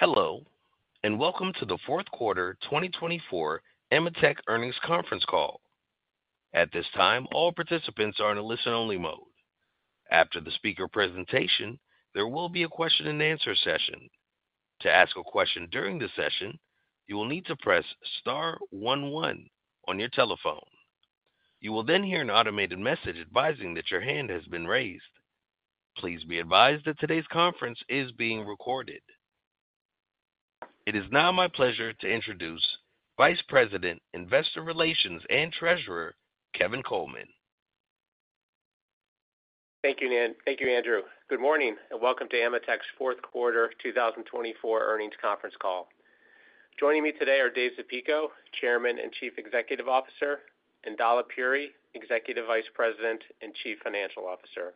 Hello, and welcome to the Q4 2024 AMETEK Earnings Conference Call. At this time, all participants are in a listen-only mode. After the speaker presentation, there will be a question-and-answer session. To ask a question during the session, you will need to press star 11 on your telephone. You will then hear an automated message advising that your hand has been raised. Please be advised that today's conference is being recorded. It is now my pleasure to introduce Vice President, Investor Relations, and Treasurer Kevin Coleman. Thank you, Nan. Thank you, Andrew. Good morning and welcome to AMETEK's Q4 2024 Earnings Conference Call. Joining me today are Dave Zapico, Chairman and Chief Executive Officer, and Dalip Puri, Executive Vice President and Chief Financial Officer.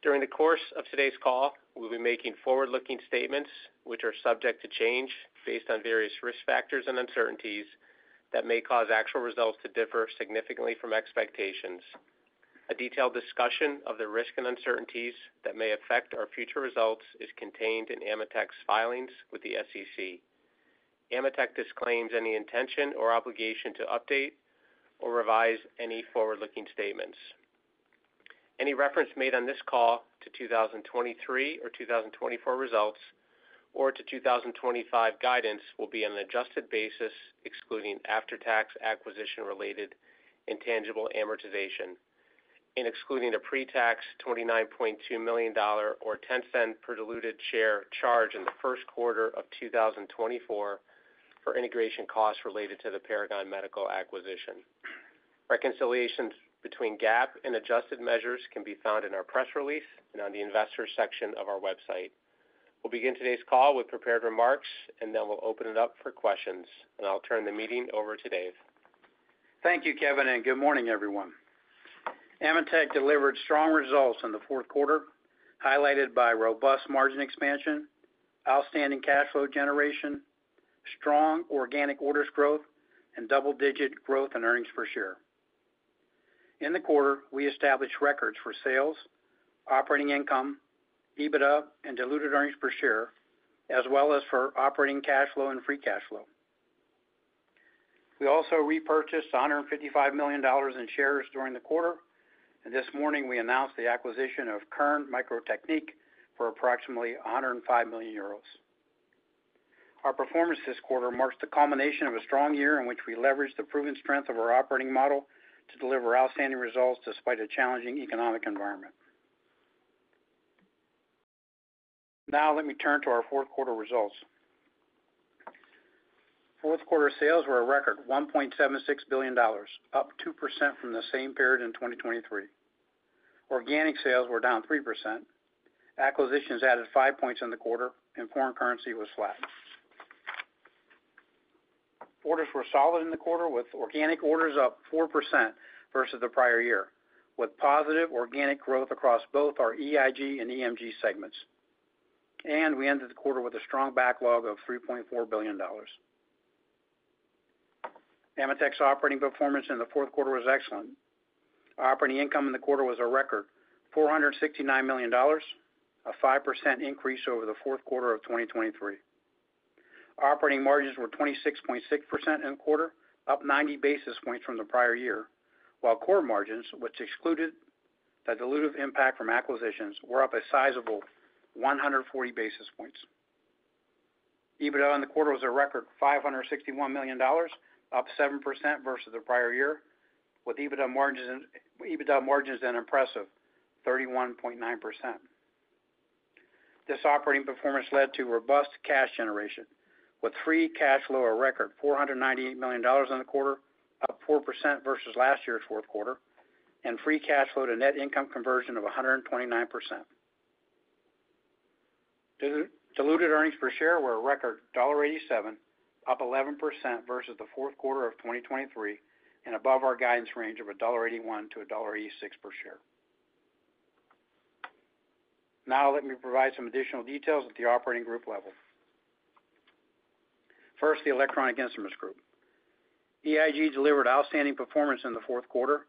During the course of today's call, we'll be making forward-looking statements which are subject to change based on various risk factors and uncertainties that may cause actual results to differ significantly from expectations. A detailed discussion of the risk and uncertainties that may affect our future results is contained in AMETEK's filings with the SEC. AMETEK disclaims any intention or obligation to update or revise any forward-looking statements. Any reference made on this call to 2023 or 2024 results or to 2025 guidance will be on an adjusted basis, excluding after-tax acquisition-related intangible amortization, and excluding a pre-tax $29.2 million or 10 cents per diluted share charge in the Q1 of 2024 for integration costs related to the Paragon Medical acquisition. Reconciliations between GAAP and adjusted measures can be found in our press release and on the investor section of our website. We'll begin today's call with prepared remarks, and then we'll open it up for questions, and I'll turn the meeting over to Dave. Thank you, Kevin, and good morning, everyone. AMETEK delivered strong results in the Q4, highlighted by robust margin expansion, outstanding cash flow generation, strong organic orders growth, and double-digit growth in earnings per share. In the quarter, we established records for sales, operating income, EBITDA, and diluted earnings per share, as well as for operating cash flow and free cash flow. We also repurchased $155 million in shares during the quarter, and this morning we announced the acquisition of Kern Microteknik for approximately €105 million. Our performance this quarter marks the culmination of a strong year in which we leveraged the proven strength of our operating model to deliver outstanding results despite a challenging economic environment. Now let me turn to our Q4 results. Q4 sales were a record $1.76 billion, up 2% from the same period in 2023. Organic sales were down 3%. Acquisitions added 5 points in the quarter, and foreign currency was flat. Orders were solid in the quarter, with organic orders up 4% versus the prior year, with positive organic growth across both our EIG and EMG segments, and we ended the quarter with a strong backlog of $3.4 billion. AMETEK's operating performance in the Q4 was excellent. Operating income in the quarter was a record $469 million, a 5% increase over the Q4 of 2023. Operating margins were 26.6% in the quarter, up 90 basis points from the prior year, while core margins, which excluded the dilutive impact from acquisitions, were up a sizable 140 basis points. EBITDA in the quarter was a record $561 million, up 7% versus the prior year, with EBITDA margins then impressive: 31.9%. This operating performance led to robust cash generation, with free cash flow a record $498 million in the quarter, up 4% versus last year's Q4, and free cash flow to net income conversion of 129%. Diluted earnings per share were a record $1.87, up 11% versus the Q4 of 2023, and above our guidance range of $1.81-$1.86 per share. Now let me provide some additional details at the operating group level. First, the electronic instruments group. EIG delivered outstanding performance in the Q4,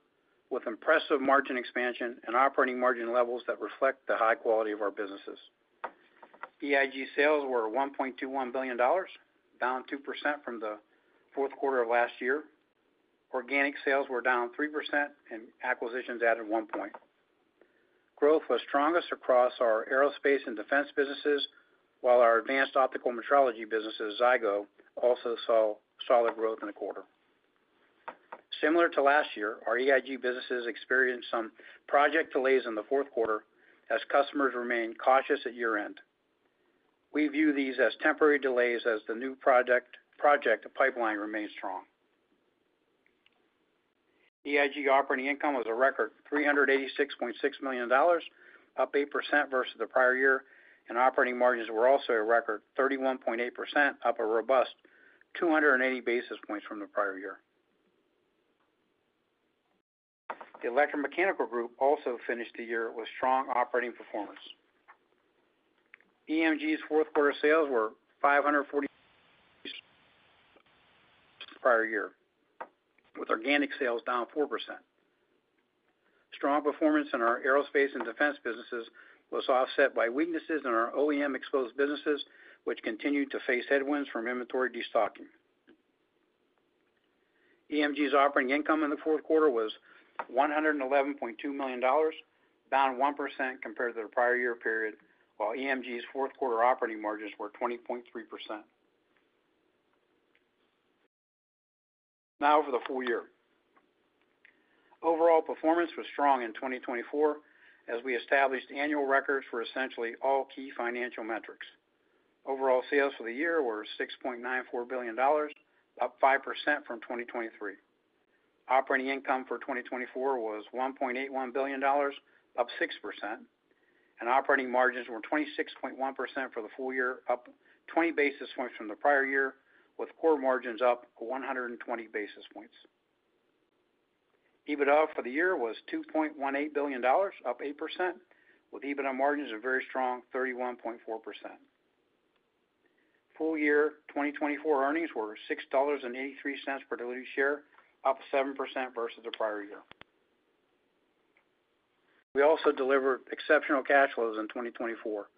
with impressive margin expansion and operating margin levels that reflect the high quality of our businesses. EIG sales were $1.21 billion, down 2% from the Q4 of last year. Organic sales were down 3%, and acquisitions added 1 point. Growth was strongest across our Aerospace and Defense businesses, while our advanced optical metrology businesses, Zygo, also saw solid growth in the quarter. Similar to last year, our EIG businesses experienced some project delays in the Q4 as customers remained cautious at year-end. We view these as temporary delays as the new project pipeline remains strong. EIG operating income was a record $386.6 million, up 8% versus the prior year, and operating margins were also a record 31.8%, up a robust 280 basis points from the prior year. The electromechanical group also finished the year with strong operating performance. EMG's Q4 sales were $540 million prior year, with organic sales down 4%. Strong performance in our Aerospace and Defense businesses was offset by weaknesses in our OEM-exposed businesses, which continued to face headwinds from inventory destocking. EMG's operating income in the Q4 was $111.2 million, down 1% compared to the prior year period, while EMG's Q4 operating margins were 20.3%. Now for the full year. Overall performance was strong in 2024 as we established annual records for essentially all key financial metrics. Overall sales for the year were $6.94 billion, up 5% from 2023. Operating income for 2024 was $1.81 billion, up 6%, and operating margins were 26.1% for the full year, up 20 basis points from the prior year, with core margins up 120 basis points. EBITDA for the year was $2.18 billion, up 8%, with EBITDA margins a very strong 31.4%. Full year 2024 earnings were $6.83 per diluted share, up 7% versus the prior year. We also delivered exceptional cash flows in 2024,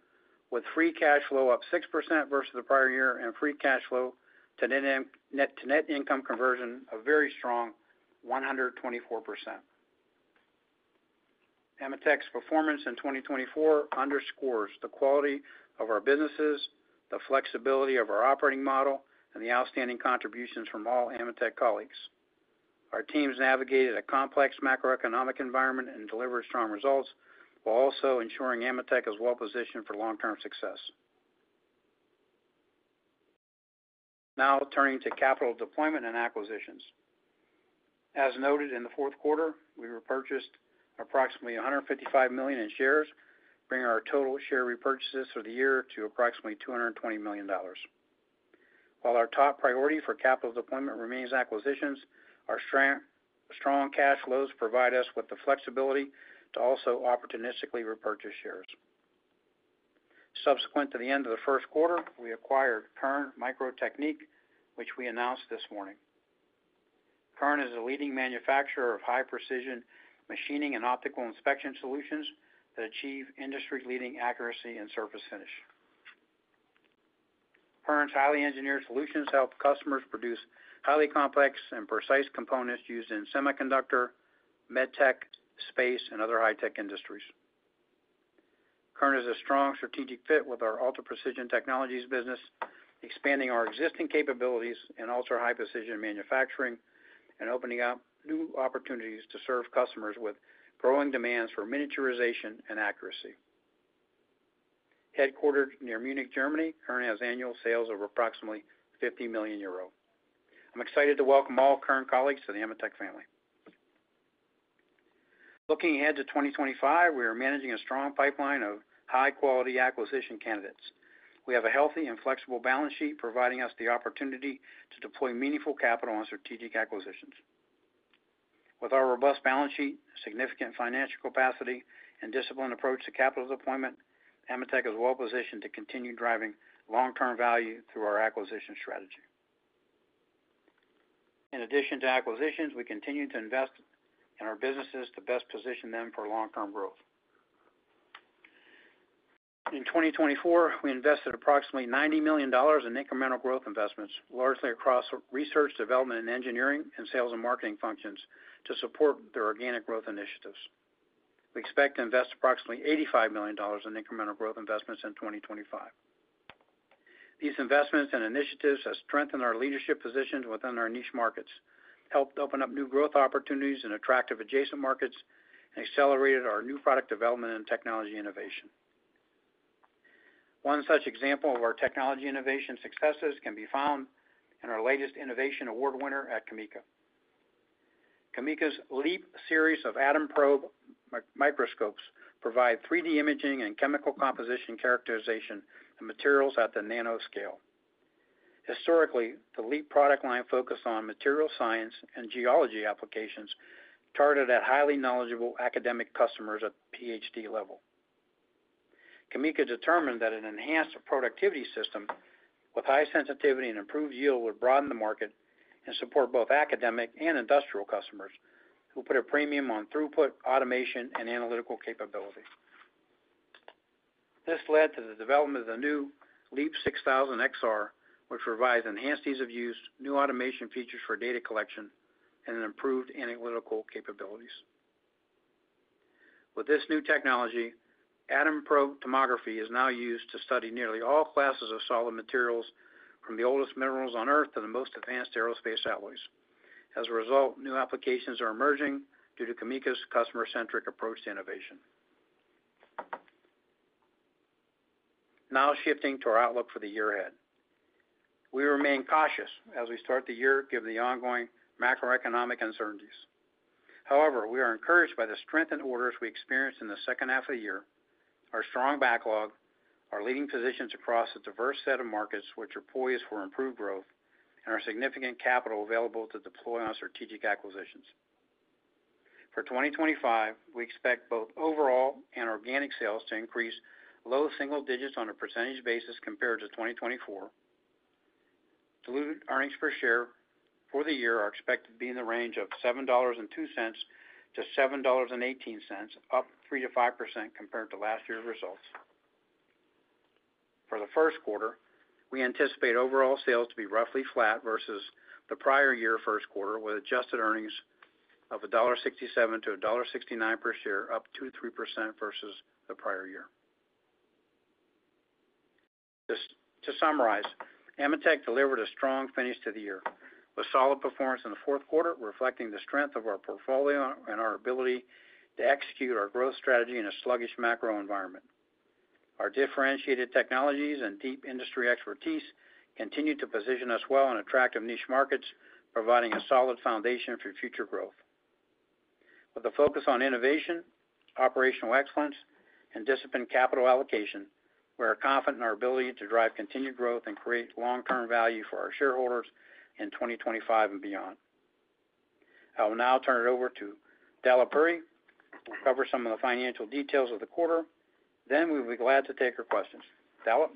with free cash flow up 6% versus the prior year and free cash flow to net income conversion a very strong 124%. AMETEK's performance in 2024 underscores the quality of our businesses, the flexibility of our operating model, and the outstanding contributions from all AMETEK colleagues. Our teams navigated a complex macroeconomic environment and delivered strong results while also ensuring AMETEK is well-positioned for long-term success. Now turning to capital deployment and acquisitions. As noted in the Q4, we repurchased approximately $155 million in shares, bringing our total share repurchases for the year to approximately $220 million. While our top priority for capital deployment remains acquisitions, our strong cash flows provide us with the flexibility to also opportunistically repurchase shares. Subsequent to the end of the Q1, we acquired Kern Microtechnique, which we announced this morning. Kern is a leading manufacturer of high-precision machining and optical inspection solutions that achieve industry-leading accuracy and surface finish. Kern's highly engineered solutions help customers produce highly complex and precise components used in semiconductor, medtech, space, and other high-tech industries. Kern is a strong strategic fit with our ultra-precision technologies business, expanding our existing capabilities in ultra-high-precision manufacturing and opening up new opportunities to serve customers with growing demands for miniaturization and accuracy. Headquartered near Munich, Germany, Kern has annual sales of approximately 50 million euro. I'm excited to welcome all Kern colleagues to the AMETEK family. Looking ahead to 2025, we are managing a strong pipeline of high-quality acquisition candidates. We have a healthy and flexible balance sheet providing us the opportunity to deploy meaningful capital on strategic acquisitions. With our robust balance sheet, significant financial capacity, and disciplined approach to capital deployment, AMETEK is well-positioned to continue driving long-term value through our acquisition strategy. In addition to acquisitions, we continue to invest in our businesses to best position them for long-term growth. In 2024, we invested approximately $90 million in incremental growth investments, largely across research, development, and engineering, and sales and marketing functions, to support their organic growth initiatives. We expect to invest approximately $85 million in incremental growth investments in 2025. These investments and initiatives have strengthened our leadership positions within our niche markets, helped open up new growth opportunities in attractive adjacent markets, and accelerated our new product development and technology innovation. One such example of our technology innovation successes can be found in our latest innovation award winner at CAMECA. CAMECA's LEEP series of atom probe microscopes provides 3D imaging and chemical composition characterization of materials at the nanoscale. Historically, the LEEP product line focused on material science and geology applications targeted at highly knowledgeable academic customers at the PhD level. CAMECA determined that an enhanced productivity system with high sensitivity and improved yield would broaden the market and support both academic and industrial customers who put a premium on throughput, automation, and analytical capability. This led to the development of the new LEEP 6000 XR, which provides enhanced ease of use, new automation features for data collection, and improved analytical capabilities. With this new technology, atom probe tomography is now used to study nearly all classes of solid materials, from the oldest minerals on Earth to the most advanced aerospace alloys. As a result, new applications are emerging due to CAMECA's customer-centric approach to innovation. Now shifting to our outlook for the year ahead. We remain cautious as we start the year given the ongoing macroeconomic uncertainties. However, we are encouraged by the strengthened orders we experienced in the second half of the year, our strong backlog, our leading positions across a diverse set of markets which are poised for improved growth, and our significant capital available to deploy on strategic acquisitions. For 2025, we expect both overall and organic sales to increase low single digits on a percentage basis compared to 2024. Diluted earnings per share for the year are expected to be in the range of $7.02 to $7.18, up 3%-5% compared to last year's results. For the Q1, we anticipate overall sales to be roughly flat versus the prior year Q1, with adjusted earnings of $1.67 to $1.69 per share, up 2%-3% versus the prior year. To summarize, AMETEK delivered a strong finish to the year with solid performance in the Q4, reflecting the strength of our portfolio and our ability to execute our growth strategy in a sluggish macro environment. Our differentiated technologies and deep industry expertise continue to position us well in attractive niche markets, providing a solid foundation for future growth. With a focus on innovation, operational excellence, and disciplined capital allocation, we are confident in our ability to drive continued growth and create long-term value for our shareholders in 2025 and beyond. I will now turn it over to Dalip Puri, who will cover some of the financial details of the quarter. Then we will be glad to take your questions. Dalip.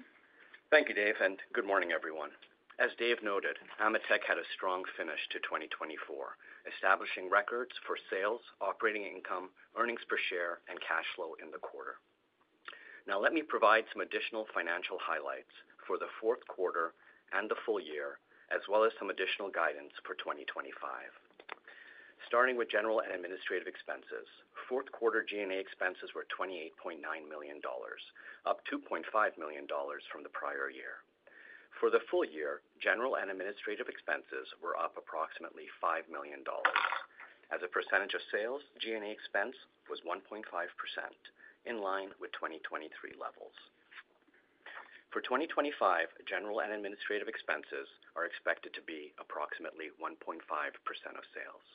Thank you, Dave, and good morning, everyone. As Dave noted, AMETEK had a strong finish to 2024, establishing records for sales, operating income, earnings per share, and cash flow in the quarter. Now let me provide some additional financial highlights for the Q4 and the full year, as well as some additional guidance for 2025. Starting with general and administrative expenses, Q4 G&A expenses were $28.9 million, up $2.5 million from the prior year. For the full year, general and administrative expenses were up approximately $5 million. As a percentage of sales, G&A expense was 1.5%, in line with 2023 levels. For 2025, general and administrative expenses are expected to be approximately 1.5% of sales.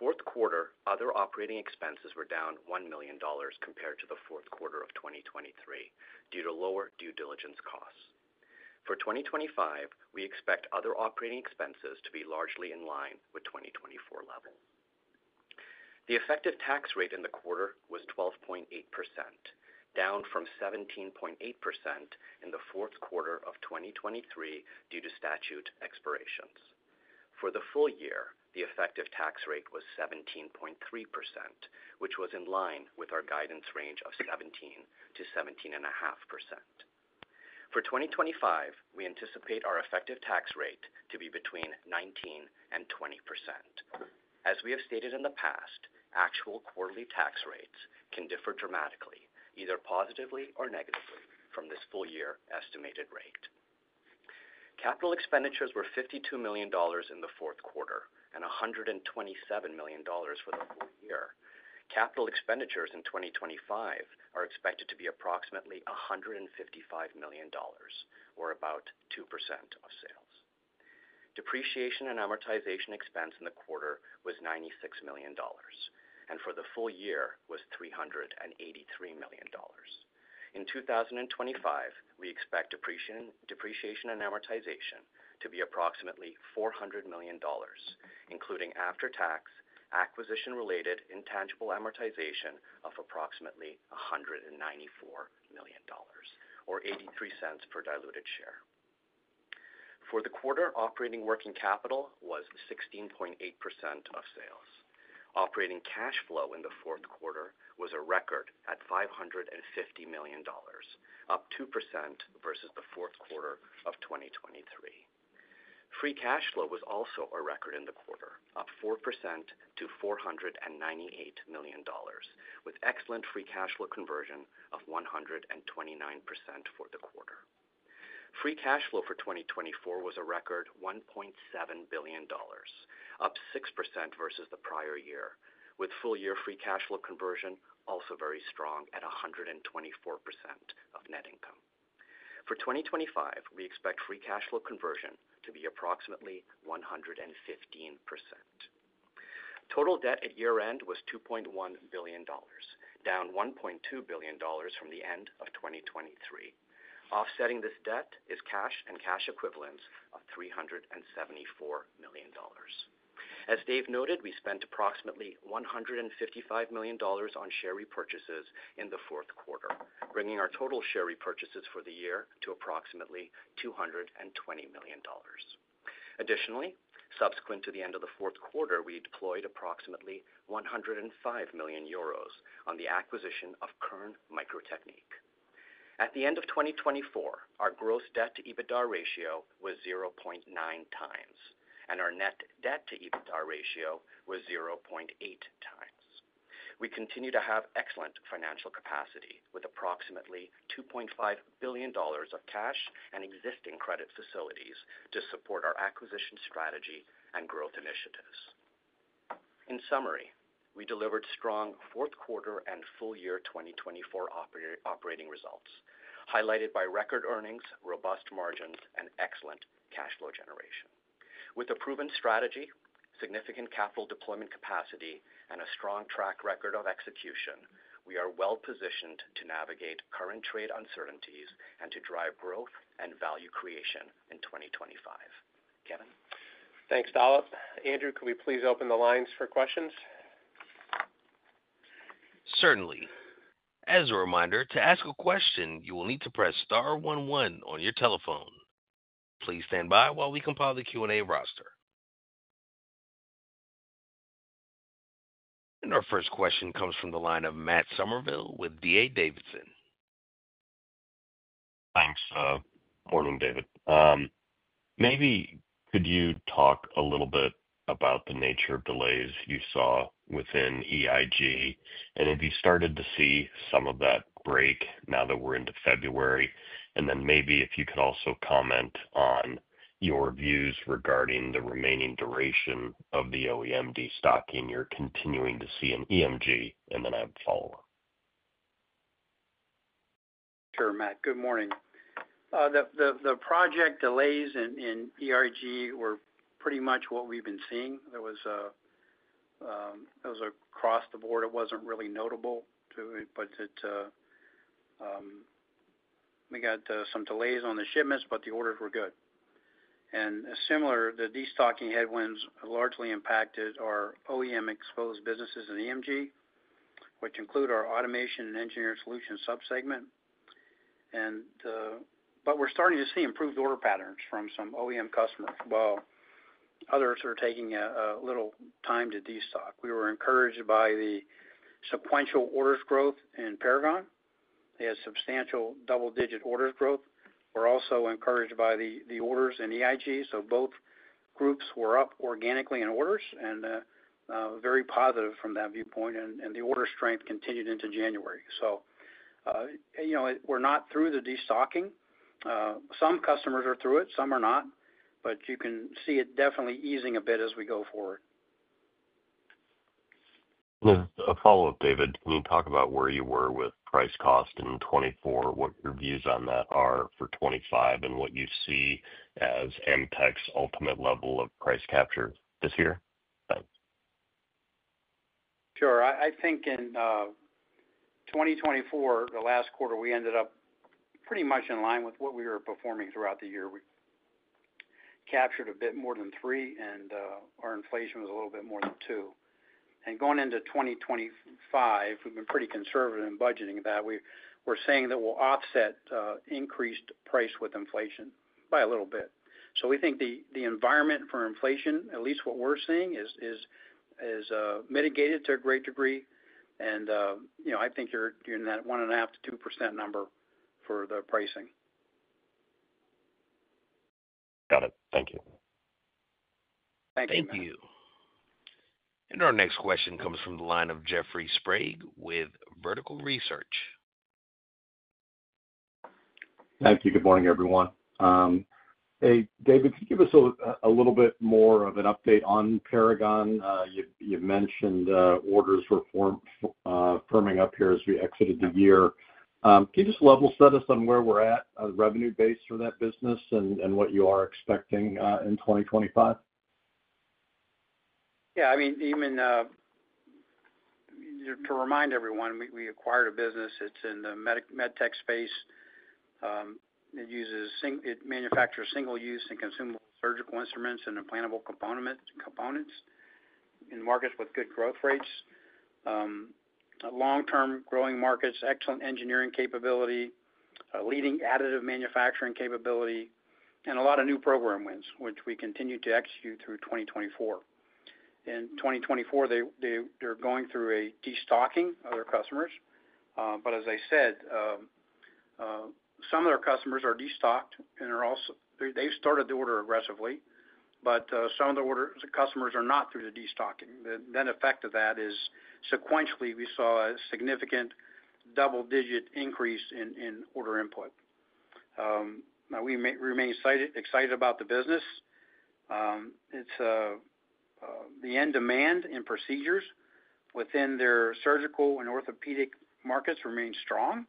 Q4 other operating expenses were down $1 million compared to the Q4 of 2023 due to lower due diligence costs. For 2025, we expect other operating expenses to be largely in line with 2024 levels. The effective tax rate in the quarter was 12.8%, down from 17.8% in the Q4 of 2023 due to statute expirations. For the full year, the effective tax rate was 17.3%, which was in line with our guidance range of 17%-17.5%. For 2025, we anticipate our effective tax rate to be between 19% and 20%. As we have stated in the past, actual quarterly tax rates can differ dramatically, either positively or negatively, from this full year estimated rate. Capital expenditures were $52 million in the Q4 and $127 million for the full year. Capital expenditures in 2025 are expected to be approximately $155 million, or about 2% of sales. Depreciation and amortization expense in the quarter was $96 million, and for the full year was $383 million. In 2025, we expect depreciation and amortization to be approximately $400 million, including after-tax, acquisition-related intangible amortization of approximately $194 million, or $0.83 per diluted share. For the quarter, operating working capital was 16.8% of sales. Operating cash flow in the Q4 was a record at $550 million, up 2% versus the Q4 of 2023. Free cash flow was also a record in the quarter, up 4% to $498 million, with excellent free cash flow conversion of 129% for the quarter. Free cash flow for 2024 was a record $1.7 billion, up 6% versus the prior year, with full year free cash flow conversion also very strong at 124% of net income. For 2025, we expect free cash flow conversion to be approximately 115%. Total debt at year-end was $2.1 billion, down $1.2 billion from the end of 2023. Offsetting this debt is cash and cash equivalents of $374 million. As Dave noted, we spent approximately $155 million on share repurchases in the Q4, bringing our total share repurchases for the year to approximately $220 million. Additionally, subsequent to the end of the Q4, we deployed approximately € 105 million on the acquisition of Kern Microteknik. At the end of 2024, our gross debt-to-EBITDA ratio was 0.9 times, and our net debt-to-EBITDA ratio was 0.8 times. We continue to have excellent financial capacity with approximately $2.5 billion of cash and existing credit facilities to support our acquisition strategy and growth initiatives. In summary, we delivered strong Q4 and full year 2024 operating results, highlighted by record earnings, robust margins, and excellent cash flow generation. With a proven strategy, significant capital deployment capacity, and a strong track record of execution, we are well-positioned to navigate current trade uncertainties and to drive growth and value creation in 2025. Kevin. Thanks, Dalip. Andrew, can we please open the lines for questions? Certainly. As a reminder, to ask a question, you will need to press star 11 on your telephone. Please stand by while we compile the Q&A roster. And our first question comes from the line of Matt Somerville with DA Davidson. Thanks. Morning, David. Maybe could you talk a little bit about the nature of delays you saw within EIG, and have you started to see some of that break now that we're into February? And then maybe if you could also comment on your views regarding the remaining duration of the OEM destock and you're continuing to see in EMG, and then I have a follow-up. Sure, Matt. Good morning. The project delays in EIG were pretty much what we've been seeing. It was across the board. It wasn't really notable to it, but we got some delays on the shipments, but the orders were good. And similar, these destocking headwinds largely impacted our OEM-exposed businesses and EMG, which include our automation and engineering solution subsegment. But we're starting to see improved order patterns from some OEM customers, while others are taking a little time to destock. We were encouraged by the sequential orders growth in Paragon. They had substantial double-digit orders growth. We're also encouraged by the orders in EIG. So both groups were up organically in orders and very positive from that viewpoint, and the order strength continued into January. So we're not through the destocking. Some customers are through it. Some are not. But you can see it definitely easing a bit as we go forward. A follow-up, David. Can you talk about where you were with price cost in 2024, what your views on that are for 2025, and what you see as AMETEK's ultimate level of price capture this year? Thanks. Sure. I think in 2024, the last quarter, we ended up pretty much in line with what we were performing throughout the year. We captured a bit more than 3%, and our inflation was a little bit more than 2%. And going into 2025, we've been pretty conservative in budgeting that. We're saying that we'll offset increased price with inflation by a little bit. So we think the environment for inflation, at least what we're seeing, is mitigated to a great degree. And I think you're in that 1.5%-2% number for the pricing. Got it. Thank you. Thank you, Matt. Thank you. And our next question comes from the line of Jeffrey Sprague with Vertical Research. Thank you. Good morning, everyone. Hey, David, can you give us a little bit more of an update on Paragon? You've mentioned orders were firming up here as we exited the year. Can you just level set us on where we're at on revenue base for that business and what you are expecting in 2025? I mean, to remind everyone, we acquired a business. It's in the med tech space. It manufactures single-use and consumable surgical instruments and implantable components in markets with good growth rates, long-term growing markets, excellent engineering capability, leading additive manufacturing capability, and a lot of new program wins, which we continue to execute through 2024. In 2024, they're going through a destocking of their customers, but as I said, some of their customers are destocked, and they've started the order aggressively, but some of the orders customers are not through the destocking. The effect of that is sequentially, we saw a significant double-digit increase in order input. Now, we remain excited about the business. The end demand in procedures within their surgical and orthopedic markets remains strong,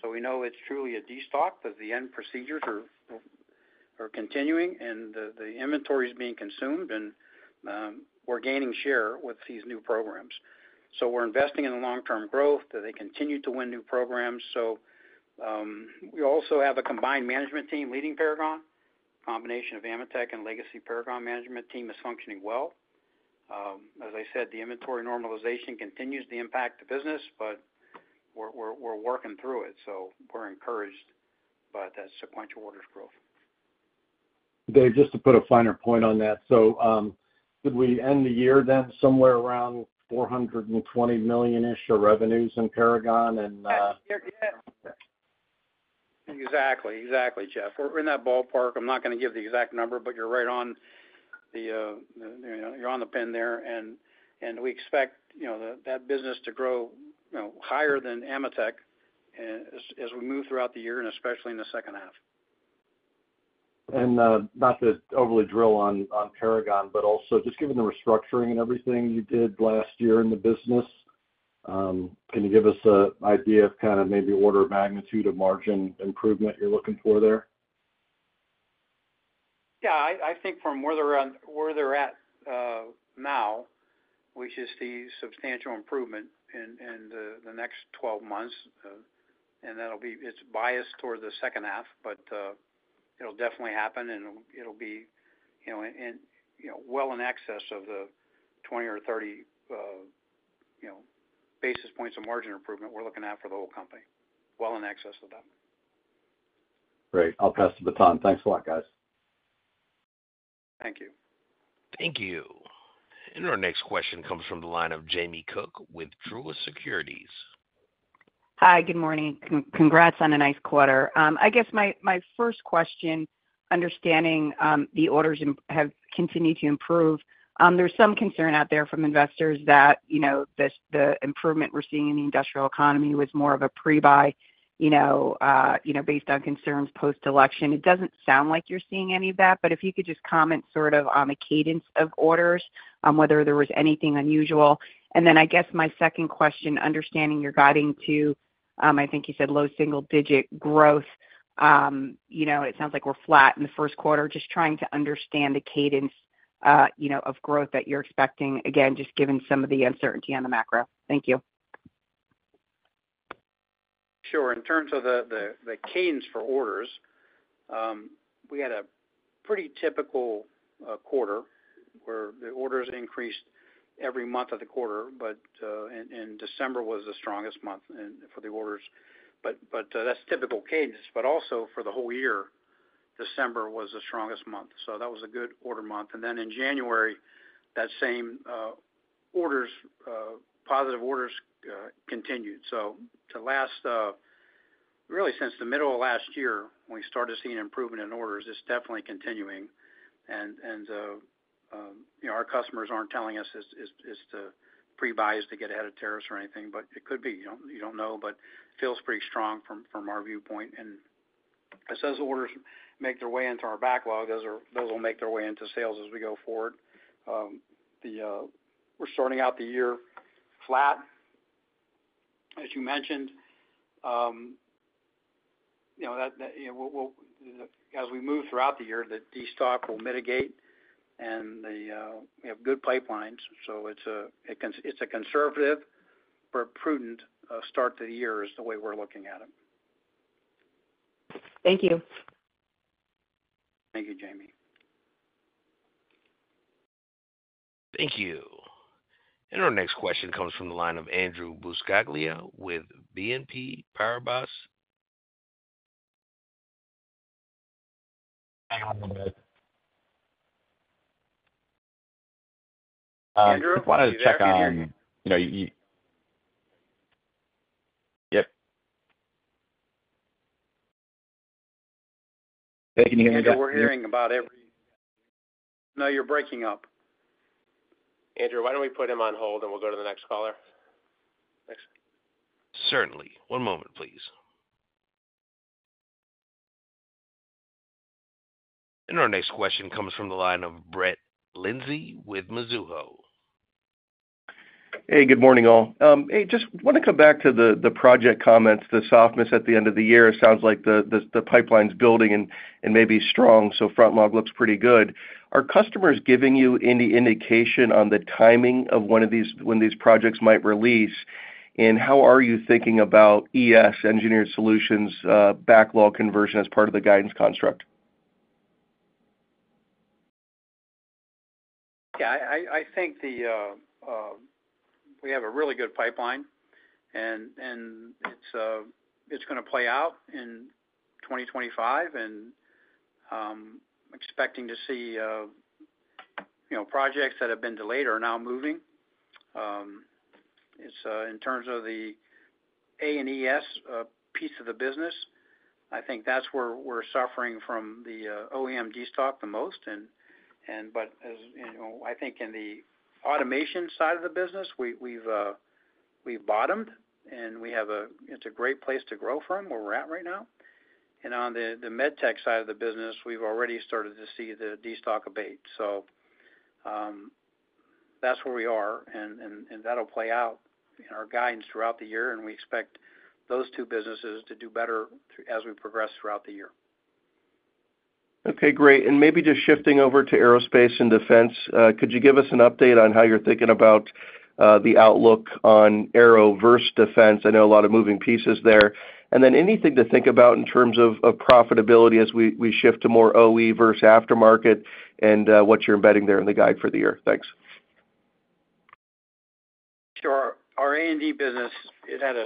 so we know it's truly a destock because the end procedures are continuing, and the inventory is being consumed, and we're gaining share with these new programs, so we're investing in the long-term growth. They continue to win new programs. So we also have a combined management team leading Paragon, a combination of AMETEK and legacy Paragon management team is functioning well. As I said, the inventory normalization continues to impact the business, but we're working through it. So we're encouraged by that sequential orders growth. Dave, just to put a finer point on that, so did we end the year then somewhere around $420 million-ish of revenues in Paragon and? Yes. Exactly. Exactly, Jeff. We're in that ballpark. I'm not going to give the exact number, but you're right on the pin there. And we expect that business to grow higher than AMETEK as we move throughout the year, and especially in the second half. And not to overly drill on Paragon, but also just given the restructuring and everything you did last year in the business, can you give us an idea of kind of maybe order of magnitude of margin improvement you're looking for there? I think from where they're at now, which is a substantial improvement in the next 12 months, and that'll be. It's biased toward the second half, but it'll definitely happen, and it'll be well in excess of the 20 or 30 basis points of margin improvement we're looking at for the whole company. Well in excess of that. Great. I'll pass the baton. Thanks a lot, guys. Thank you. Thank you. And our next question comes from the line of Jamie Cook with Truist Securities. Hi. Good morning. Congrats on a nice quarter. I guess my first question, understanding the orders have continued to improve, there's some concern out there from investors that the improvement we're seeing in the industrial economy was more of a pre-buy based on concerns post-election. It doesn't sound like you're seeing any of that, but if you could just comment sort of on the cadence of orders, whether there was anything unusual. And then I guess my second question, understanding your guiding to, I think you said low single-digit growth, it sounds like we're flat in the Q1. Just trying to understand the cadence of growth that you're expecting, again, just given some of the uncertainty on the macro. Thank you. Sure. In terms of the cadence for orders, we had a pretty typical quarter where the orders increased every month of the quarter, but in December was the strongest month for the orders. But that's typical cadence. But also for the whole year, December was the strongest month. So that was a good order month. And then in January, that same orders, positive orders continued. So really since the middle of last year, when we started seeing improvement in orders, it's definitely continuing. And our customers aren't telling us it's the pre-buys to get ahead of tariffs or anything, but it could be. You don't know, but it feels pretty strong from our viewpoint. And as those orders make their way into our backlog, those will make their way into sales as we go forward. We're starting out the year flat, as you mentioned. As we move throughout the year, the destock will mitigate, and we have good pipelines. So it's a conservative but prudent start to the year is the way we're looking at it. Thank you. Thank you, Jamie. Thank you. Our next question comes from the line of Andrew Buscaglia with BNP Paribas. Hey, my name. Andrew? Why don't you check on your. Yep. Hey, can you hear me? Yeah. We're hearing about every. No, you're breaking up. Andrew, why don't we put him on hold, and we'll go to the next caller? Certainly. One moment, please. Our next question comes from the line of Brett Linzey with Mizuho. Hey, good morning, all. Hey, just want to come back to the project comments, the softness at the end of the year. It sounds like the pipeline's building and maybe strong, so front log looks pretty good. Are customers giving you any indication on the timing of when these projects might release? And how are you thinking about ES, engineered solutions, backlog conversion as part of the guidance construct I think we have a really good pipeline, and it's going to play out in 2025, and I'm expecting to see projects that have been delayed are now moving. In terms of the A and ES piece of the business, I think that's where we're suffering from the OEM destock the most, but I think in the automation side of the business, we've bottomed, and it's a great place to grow from where we're at right now, and on the med tech side of the business, we've already started to see the destock abate. So that's where we are, and that'll play out in our guidance throughout the year, and we expect those two businesses to do better as we progress throughout the year. Okay. Great. Maybe just shifting over to Aerospace and Defense, could you give us an update on how you're thinking about the outlook on aero versus defense? I know a lot of moving pieces there. And then anything to think about in terms of profitability as we shift to more OE versus aftermarket and what you're embedding there in the guide for the year? Thanks. Sure. Our A&D business, it had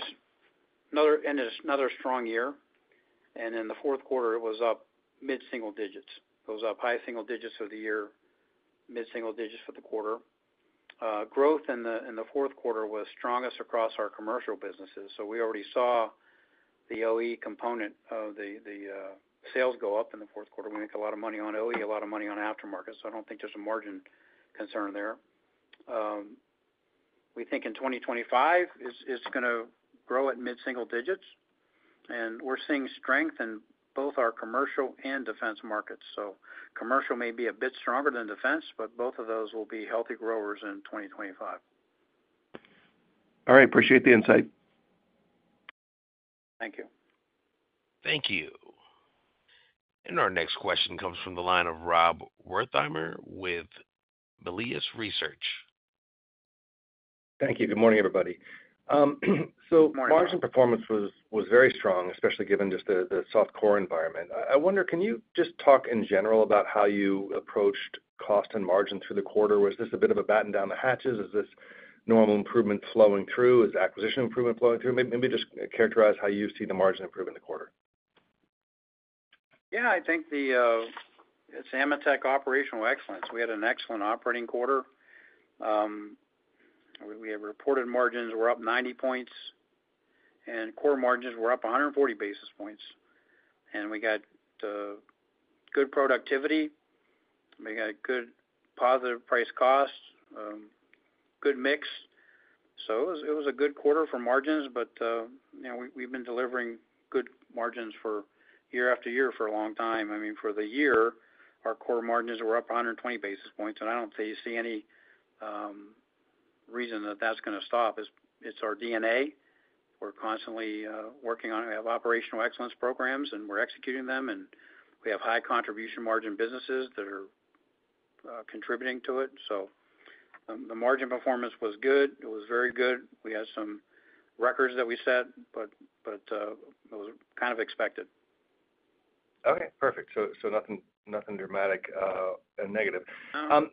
another strong year. In the Q4, it was up mid-single digits. It was up high single digits for the year, mid-single digits for the quarter. Growth in the Q4 was strongest across our commercial businesses. We already saw the OE component of the sales go up in the Q4. We make a lot of money on OE, a lot of money on aftermarket. I don't think there's a margin concern there. We think in 2025, it's going to grow at mid-single digits. We're seeing strength in both our commercial and defense markets. Commercial may be a bit stronger than defense, but both of those will be healthy growers in 2025. All right. Appreciate the insight. Thank you. Thank you. Our next question comes from the line of Rob Wertheimer with Melius Research. Thank you. Good morning, everybody. Margin performance was very strong, especially given just the soft core environment. I wonder, can you just talk in general about how you approached cost and margin through the quarter? Was this a bit of a batten down the hatches? Is this normal improvement flowing through? Is acquisition improvement flowing through? Maybe just characterize how you see the margin improve in the quarter. I think it's AMETEK operational excellence. We had an excellent operating quarter. We had reported margins were up 90 points, and core margins were up 140 basis points, and we got good productivity. We got good positive price-cost, good mix, so it was a good quarter for margins, but we've been delivering good margins for year after year for a long time. I mean, for the year, our core margins were up 120 basis points, and I don't see any reason that that's going to stop. It's our DNA. We're constantly working on it. We have operational excellence programs, and we're executing them, and we have high contribution margin businesses that are contributing to it, so the margin performance was good. It was very good. We had some records that we set, but it was kind of expected. Okay. Perfect, so nothing dramatic and negative.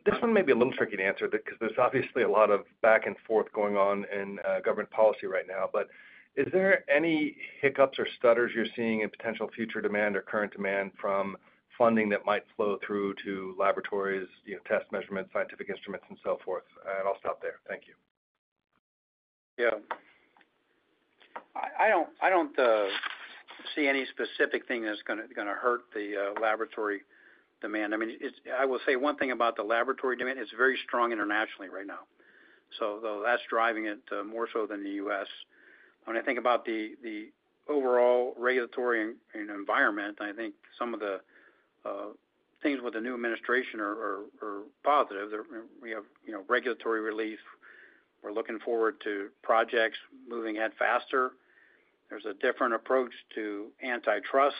This one may be a little tricky to answer because there's obviously a lot of back and forth going on in government policy right now. But is there any hiccups or stutters you're seeing in potential future demand or current demand from funding that might flow through to laboratories, test measurements, scientific instruments, and so forth? And I'll stop there. Thank you. I don't see any specific thing that's going to hurt the laboratory demand. I mean, I will say one thing about the laboratory demand. It's very strong internationally right now. So that's driving it more so than the U.S. When I think about the overall regulatory environment, I think some of the things with the new administration are positive. We have regulatory relief. We're looking forward to projects moving ahead faster. There's a different approach to antitrust.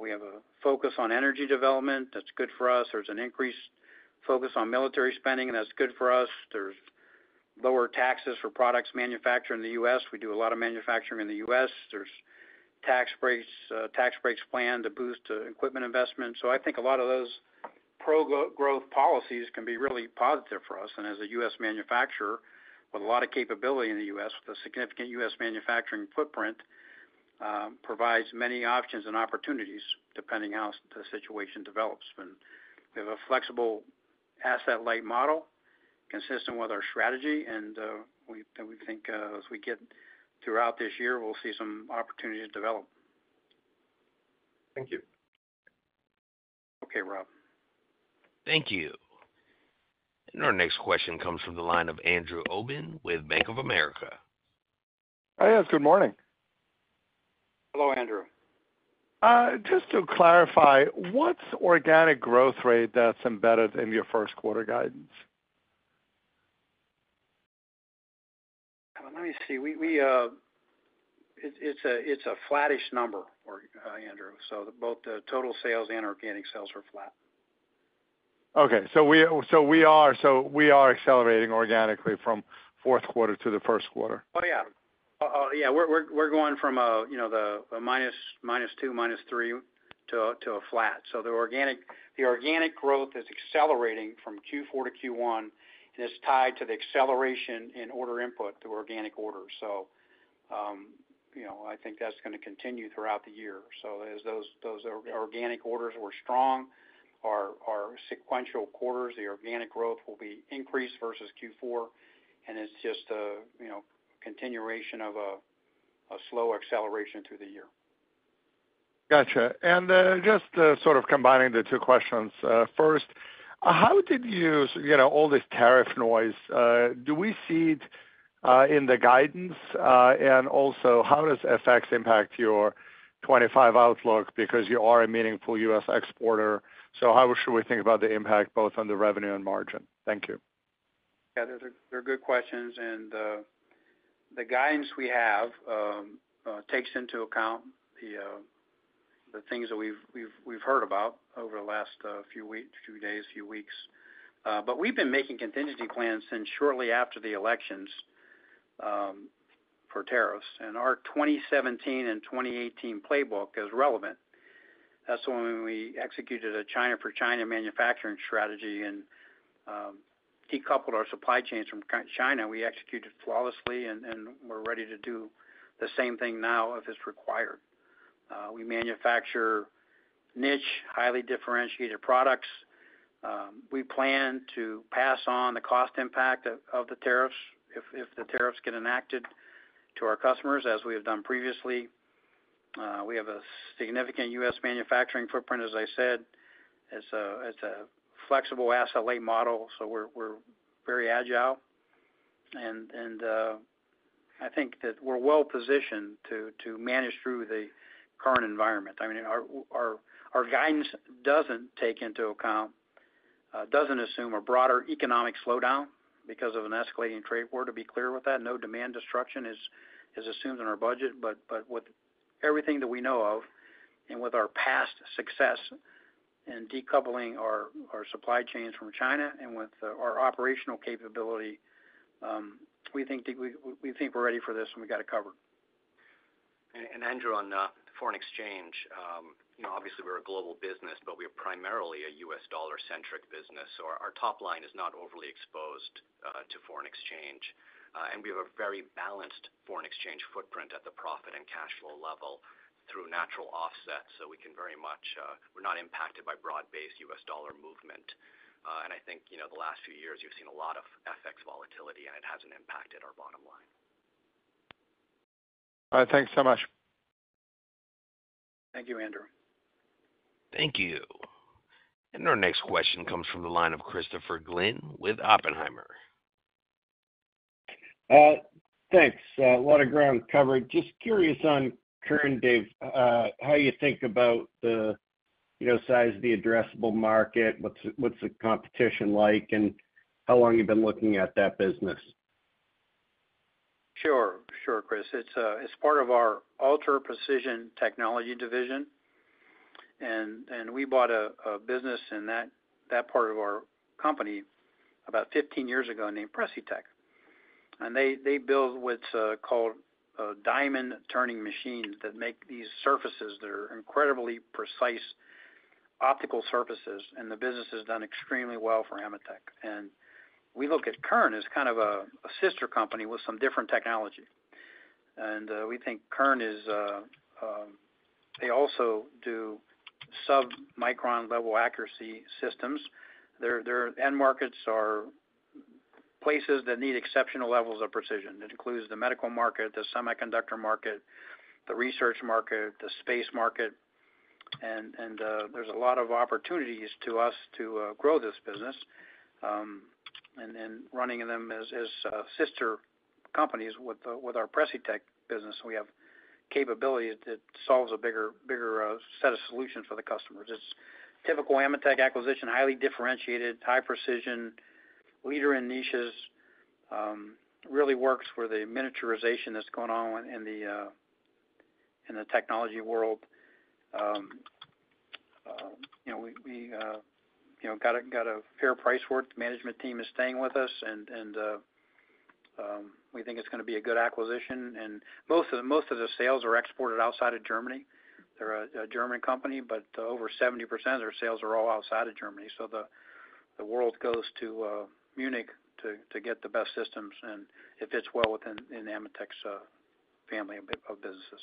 We have a focus on energy development. That's good for us. There's an increased focus on military spending, and that's good for us. There's lower taxes for products manufactured in the U.S. We do a lot of manufacturing in the U.S. There's tax breaks planned to boost equipment investment. So I think a lot of those pro-growth policies can be really positive for us, and as a U.S. manufacturer, with a lot of capability in the U.S., with a significant U.S. manufacturing footprint, it provides many options and opportunities depending on how the situation develops, and we have a flexible asset-light model consistent with our strategy, and we think as we get throughout this year, we'll see some opportunities develop. Thank you. Okay, Rob. Thank you, and our next question comes from the line of Andrew Obin with Bank of America. Hi, Ed. Good morning. Hello, Andrew. Just to clarify, what's the organic growth rate that's embedded in your Q1 guidance? Let me see. It's a flattish number, Andrew. So both the total sales and organic sales are flat. Okay. So we are accelerating organically from Q4 to the Q1? We're going from the minus two, minus three to a flat. So the organic growth is accelerating from Q4 to Q1, and it's tied to the acceleration in order input, the organic orders. So I think that's going to continue throughout the year. So as those organic orders were strong, our sequential quarters, the organic growth will be increased versus Q4. And it's just a continuation of a slow acceleration through the year. Gotcha. And just sort of combining the two questions. First, how did you get all this tariff noise? Do we see it in the guidance? And also, how does FX impact your 2025 outlook because you are a meaningful U.S. exporter? So how should we think about the impact both on the revenue and margin? Thank you. They're good questions. And the guidance we have takes into account the things that we've heard about over the last few days, few weeks. But we've been making contingency plans since shortly after the elections for tariffs. And our 2017 and 2018 playbook is relevant. That's when we executed a China for China manufacturing strategy and decoupled our supply chains from China. We executed flawlessly, and we're ready to do the same thing now if it's required. We manufacture niche, highly differentiated products. We plan to pass on the cost impact of the tariffs if the tariffs get enacted to our customers, as we have done previously. We have a significant U.S. manufacturing footprint, as I said. It's a flexible asset-light model, so we're very agile. And I think that we're well positioned to manage through the current environment. I mean, our guidance doesn't take into account, doesn't assume a broader economic slowdown because of an escalating trade war, to be clear with that. No demand destruction is assumed in our budget. But with everything that we know of and with our past success in decoupling our supply chains from China and with our operational capability, we think we're ready for this, and we got it covered. And Andrew, on foreign exchange, obviously, we're a global business, but we are primarily a U.S. dollar-centric business. So our top line is not overly exposed to foreign exchange. And we have a very balanced foreign exchange footprint at the profit and cash flow level through natural offset. So we can very much, we're not impacted by broad-based U.S. dollar movement. And I think the last few years, you've seen a lot of FX volatility, and it hasn't impacted our bottom line. All right. Thanks so much. Thank you, Andrew. Thank you. And our next question comes from the line of Christopher Glynn with Oppenheimer. Thanks. A lot of ground covered. Just curious on current day of how you think about the size of the addressable market, what's the competition like, and how long you've been looking at that business. Sure. Sure, Chris. It's part of our ultra-precision technology division. And we bought a business in that part of our company about 15 years ago named Precitech. And they build what's called diamond-turning machines that make these surfaces that are incredibly precise, optical surfaces. And the business has done extremely well for AMETEK. And we look at Kern as kind of a sister company with some different technology. We think Kern is. They also do sub-micron level accuracy systems. Their end markets are places that need exceptional levels of precision. It includes the medical market, the semiconductor market, the research market, the space market. There's a lot of opportunities to us to grow this business. Running them as sister companies with our Precitech business, we have capabilities that solve a bigger set of solutions for the customers. It's typical AMETEK acquisition, highly differentiated, high precision, leader in niches, really works for the miniaturization that's going on in the technology world. We got a fair price for it. The management team is staying with us, and we think it's going to be a good acquisition. Most of the sales are exported outside of Germany. They're a German company, but over 70% of their sales are all outside of Germany. So the world goes to Munich to get the best systems, and it's well within AMETEK's family of businesses.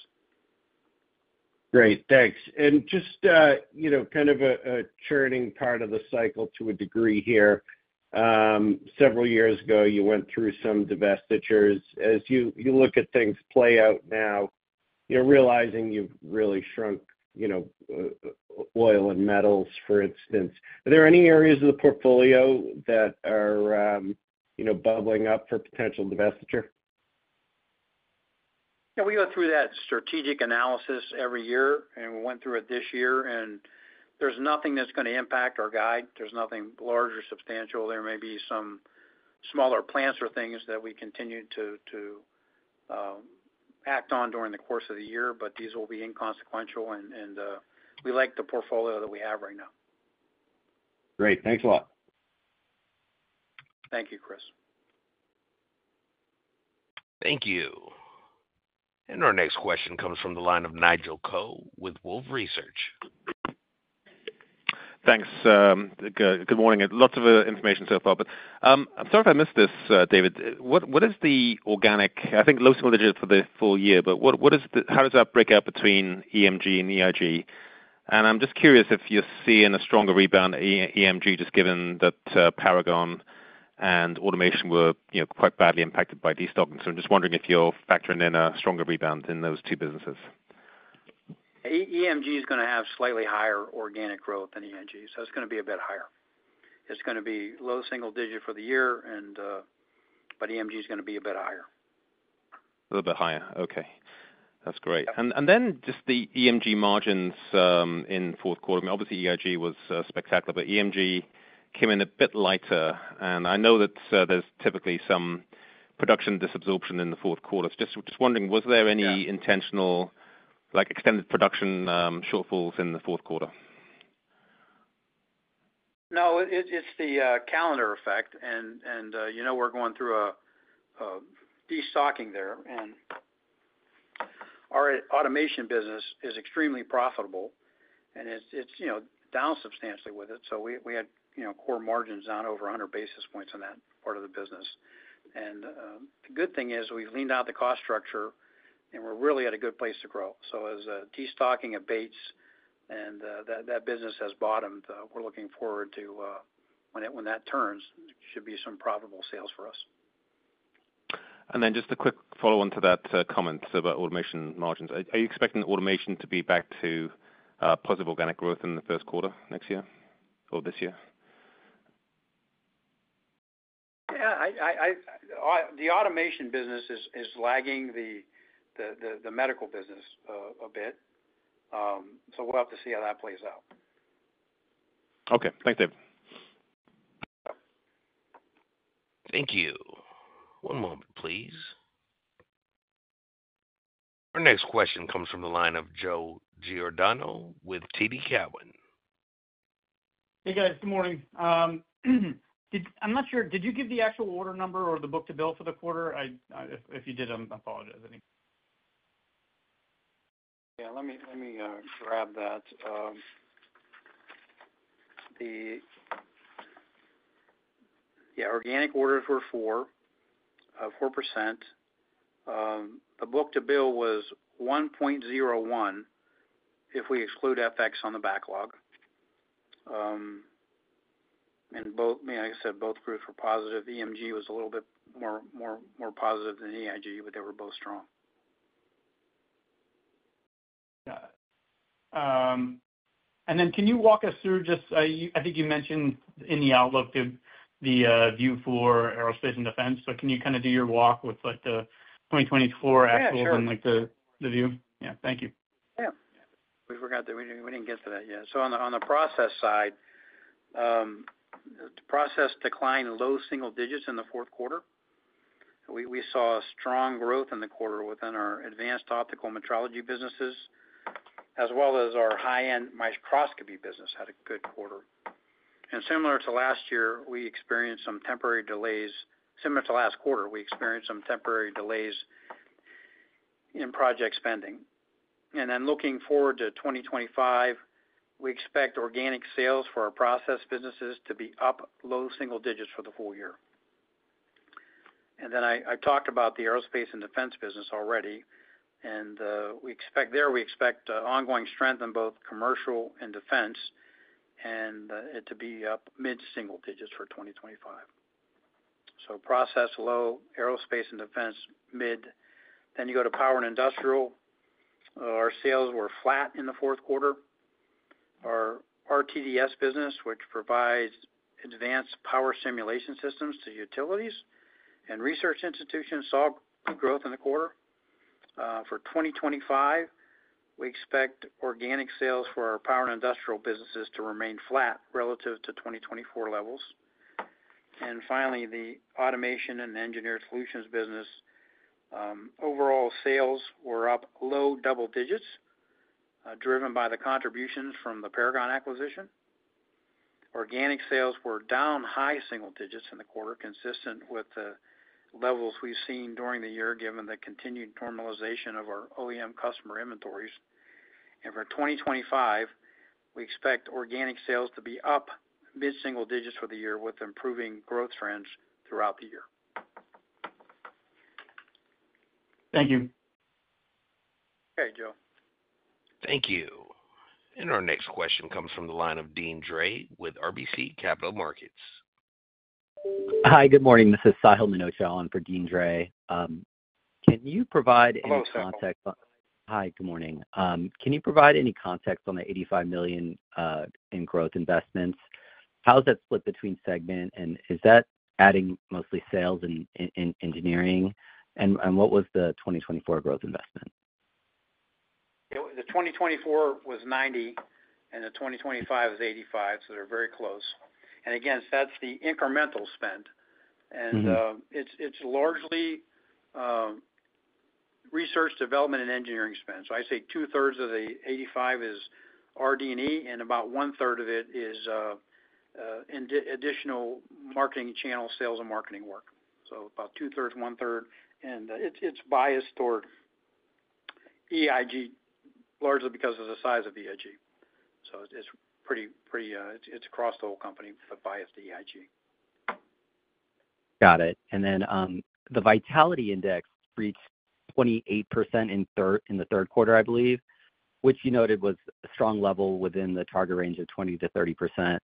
Great. Thanks. And just kind of a churning part of the cycle to a degree here. Several years ago, you went through some divestitures. As you look at things play out now, you're realizing you've really shrunk oil and metals, for instance. Are there any areas of the portfolio that are bubbling up for potential divestiture? We go through that strategic analysis every year, and we went through it this year. And there's nothing that's going to impact our guide. There's nothing large or substantial. There may be some smaller plants or things that we continue to act on during the course of the year, but these will be inconsequential. And we like the portfolio that we have right now. Great. Thanks a lot. Thank you, Chris. Thank you. And our next question comes from the line of Nigel Coe with Wolfe Research. Thanks. Good morning. Lots of information so far. But I'm sorry if I missed this, David. What is the organic, I think low single digits for the full year, but how does that break out between EMG and EIG? And I'm just curious if you're seeing a stronger rebound in EMG, just given that Paragon and Automation were quite badly impacted by destocking. So I'm just wondering if you're factoring in a stronger rebound in those two businesses. EMG is going to have slightly higher organic growth than EIG. So it's going to be a bit higher. It's going to be low single digit for the year, but EMG is going to be a bit higher. A little bit higher. Okay. That's great. And then just the EMG margins in Q4. I mean, obviously, EIG was spectacular, but EMG came in a bit lighter. And I know that there's typically some production disabsorption in the Q4. Just wondering, was there any intentional extended production shortfalls in the Q4? No. It's the calendar effect. And we're going through a destocking there. And our automation business is extremely profitable, and it's down substantially with it. So we had core margins down over 100 basis points in that part of the business. And the good thing is we've leaned out the cost structure, and we're really at a good place to grow. So as destocking abates, and that business has bottomed, we're looking forward to when that turns, there should be some profitable sales for us. And then just a quick follow-on to that comment about automation margins. Are you expecting automation to be back to positive organic growth in the Q1 next year or this year? The automation business is lagging the medical business a bit. So we'll have to see how that plays out. Okay. Thank you. Thank you. One moment, please. Our next question comes from the line of Joe Giordano with TD Cowen. Hey, guys. Good morning. I'm not sure. Did you give the actual order number or the book-to-bill for the quarter? If you did, I apologize. Let me grab that. Organic orders were 4.4%. The book-to-bill was 1.01 if we exclude FX on the backlog. And like I said, both groups were positive. EMG was a little bit more positive than EIG, but they were both strong. And then can you walk us through just I think you mentioned in the outlook the view for Aerospace and Defense? So can you kind of do your walk with the 2024 actual and the view? Thank you. We forgot that we didn't get to that yet. So on the process side, the process declined low single digits in the Q4. We saw strong growth in the quarter within our advanced optical metrology businesses, as well as our high-end microscopy business had a good quarter. And similar to last year, we experienced some temporary delays. Similar to last quarter, we experienced some temporary delays in project spending. And then looking forward to 2025, we expect organic sales for our process businesses to be up low single digits for the full year. And then I talked about the Aerospace and Defense business already. And there, we expect ongoing strength in both commercial and defense, and it to be up mid-single digits for 2025. So, process low, Aerospace and Defense, mid. Then, you go to power and industrial. Our sales were flat in the Q4. Our RTDS business, which provides advanced power simulation systems to utilities and research institutions, saw good growth in the quarter. For 2025, we expect organic sales for our power and industrial businesses to remain flat relative to 2024 levels. And finally, the Automation and Engineered Solutions business, overall sales were up low double digits, driven by the contributions from the Paragon acquisition. Organic sales were down high single digits in the quarter, consistent with the levels we've seen during the year, given the continued normalization of our OEM customer inventories. And for 2025, we expect organic sales to be up mid-single digits for the year with improving growth trends throughout the year. Thank you. Okay, Joe. Thank you. And our next question comes from the line of Deane Dray with RBC Capital Markets. Hi, good morning. This is Sahil Minocha for Deane Dray. Can you provide any context? Hello, Sahil. Hi, good morning. Can you provide any context on the $85 million in growth investments? How is that split between segment? And is that adding mostly sales and engineering? And what was the 2024 growth investment? The 2024 was $90 million, and the 2025 is $85 million. So they're very close. And again, that's the incremental spend. And it's largely research, development, and engineering spend. So I'd say two-thirds of the $85 million is RD&E, and about one-third of it is additional marketing channel sales and marketing work. So about two-thirds, one-third. It's biased toward EIG, largely because of the size of EIG. It's across the whole company, but biased to EIG. Got it. Then the Vitality Index reached 28% in the Q3, I believe, which you noted was a strong level within the target range of 20%-30%.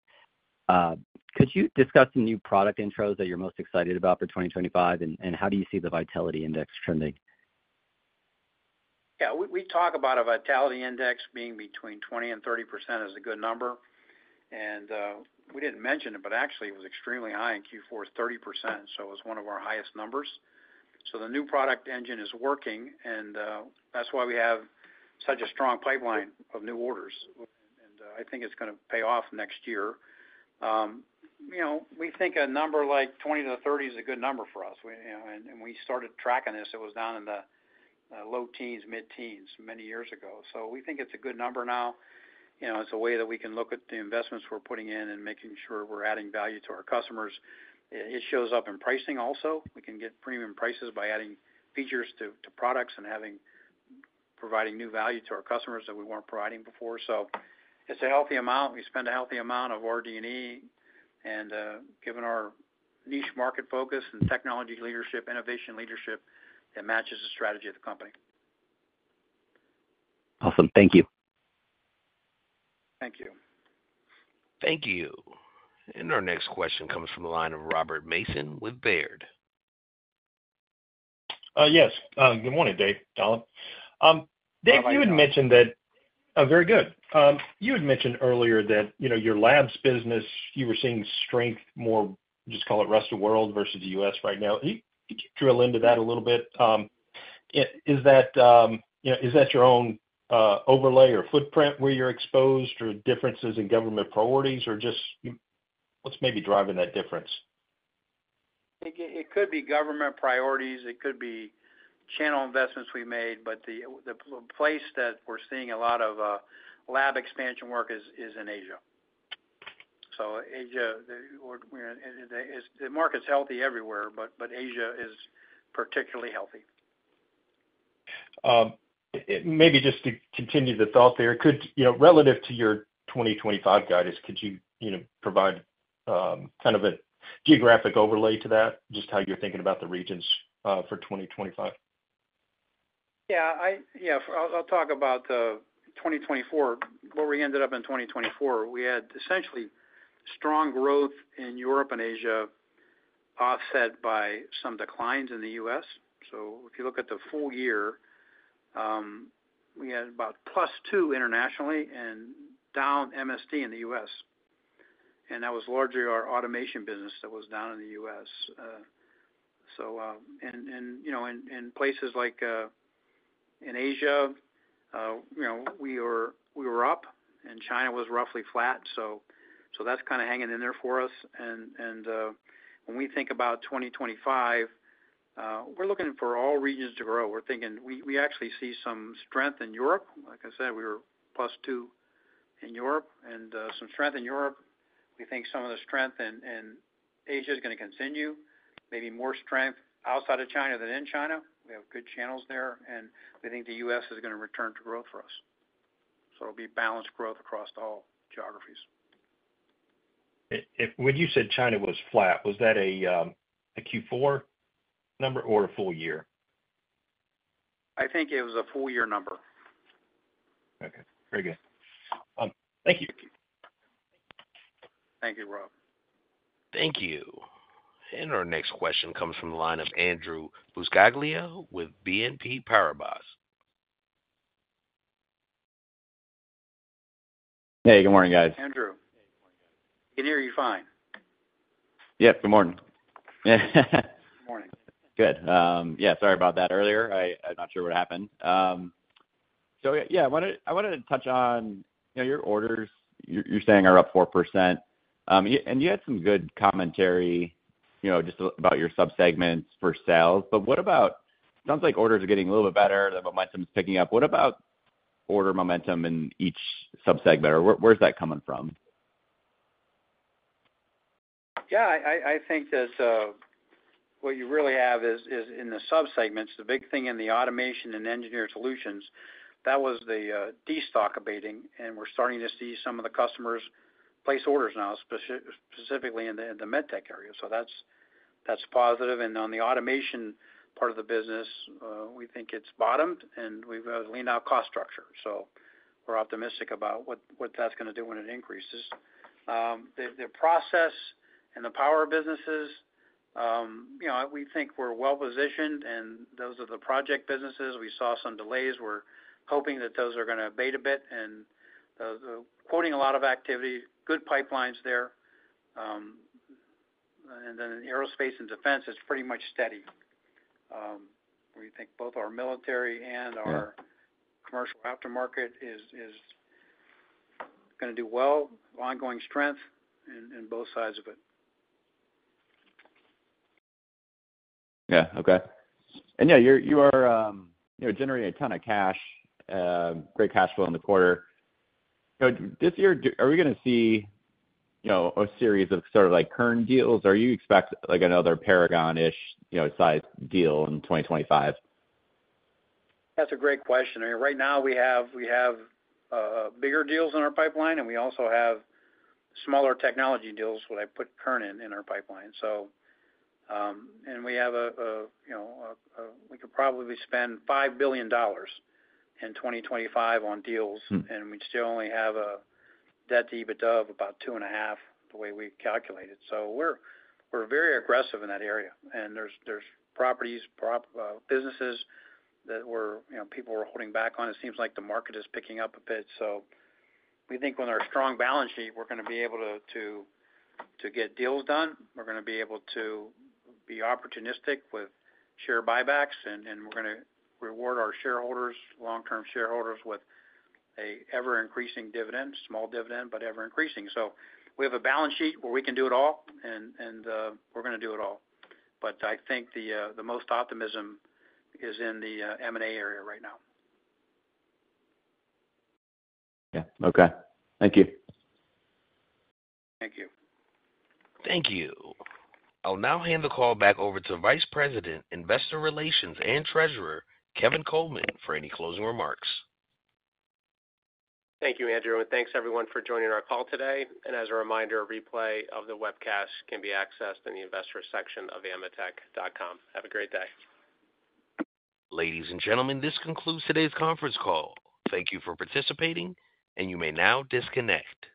Could you discuss the new product intros that you're most excited about for 2025? How do you see the Vitality Index trending? We talk about a Vitality Index being between 20% and 30% is a good number. We didn't mention it, but actually, it was extremely high in Q4, 30%. It was one of our highest numbers. The new product engine is working, and that's why we have such a strong pipeline of new orders. I think it's going to pay off next year. We think a number like 20 to 30 is a good number for us, and we started tracking this. It was down in the low teens, mid-teens many years ago, so we think it's a good number now. It's a way that we can look at the investments we're putting in and making sure we're adding value to our customers. It shows up in pricing also. We can get premium prices by adding features to products and providing new value to our customers that we weren't providing before, so it's a healthy amount. We spend a healthy amount of RD&E, and given our niche market focus and technology leadership, innovation leadership, it matches the strategy of the company. Awesome. Thank you. Thank you. Thank you, and our next question comes from the line of Robert Mason with Baird. Yes. Good morning, Dave, Dalip. Dave, you had mentioned that very good. You had mentioned earlier that your labs business, you were seeing strength more, just call it rest of world versus the U.S. right now. Can you drill into that a little bit? Is that your own overlay or footprint where you're exposed or differences in government priorities, or just what's maybe driving that difference? It could be government priorities. It could be channel investments we made. But the place that we're seeing a lot of lab expansion work is in Asia. So Asia, the market's healthy everywhere, but Asia is particularly healthy. Maybe just to continue the thought there, relative to your 2025 guidance, could you provide kind of a geographic overlay to that, just how you're thinking about the regions for 2025? I'll talk about 2024, where we ended up in 2024. We had essentially strong growth in Europe and Asia, offset by some declines in the U.S. So if you look at the full year, we had about +2% internationally and down MSD in the U.S. And that was largely our automation business that was down in the U.S. And in places like in Asia, we were up, and China was roughly flat. So that's kind of hanging in there for us. And when we think about 2025, we're looking for all regions to grow. We're thinking we actually see some strength in Europe. Like I said, we were +2% in Europe. And some strength in Europe. We think some of the strength in Asia is going to continue, maybe more strength outside of China than in China. We have good channels there. And we think the U.S. is going to return to growth for us. So it'll be balanced growth across all geographies. When you said China was flat, was that a Q4 number or a full year? I think it was a full-year number. Okay. Very good. Thank you. Thank you, Rob. Thank you. And our next question comes from the line of Andrew Buscaglia with BNP Paribas. Hey, good morning, guys. Andrew. Can you hear me fine? Yep. Good morning. Good morning. Good. Sorry about that earlier. I'm not sure what happened. I wanted to touch on your orders. You're saying are up 4%. And you had some good commentary just about your subsegments for sales. But what about it sounds like orders are getting a little bit better. The momentum is picking up. What about order momentum in each subsegment? Or where's that coming from? I think that what you really have is in the subsegments. The big thing in the Automation and Engineered Solutions, that was the destock abating. And we're starting to see some of the customers place orders now, specifically in the MedTech area. So that's positive. And on the automation part of the business, we think it's bottomed, and we've leaned out cost structure. So we're optimistic about what that's going to do when it increases. The process and the power businesses, we think we're well-positioned, and those are the project businesses. We saw some delays. We're hoping that those are going to abate a bit. And quoting a lot of activity, good pipelines there. And then in Aerospace and Defense, it's pretty much steady. We think both our military and our commercial aftermarket is going to do well, ongoing strength in both sides of it. Okay. You are generating a ton of cash, great cash flow in the quarter. This year, are we going to see a series of sort of like Kern deals? Or are you expecting another Paragon-ish size deal in 2025? That's a great question. Right now, we have bigger deals in our pipeline, and we also have smaller technology deals that I put Kern in our pipeline. We could probably spend $5 billion in 2025 on deals, and we'd still only have a debt to EBITDA of about two and a half, the way we calculate it. We're very aggressive in that area. There's properties, businesses that people were holding back on. It seems like the market is picking up a bit. We think with our strong balance sheet, we're going to be able to get deals done. We're going to be able to be opportunistic with share buybacks, and we're going to reward our long-term shareholders with an ever-increasing dividend, small dividend, but ever-increasing. So we have a balance sheet where we can do it all, and we're going to do it all. But I think the most optimism is in the M&A area right now. Okay. Thank you. Thank you. Thank you. I'll now hand the call back over to Vice President, Investor Relations and Treasurer, Kevin Coleman, for any closing remarks. Thank you, Andrew. And thanks, everyone, for joining our call today. And as a reminder, a replay of the webcast can be accessed in the investor section of ametek.com. Have a great day. Ladies and gentlemen, this concludes today's conference call. Thank you for participating, and you may now disconnect.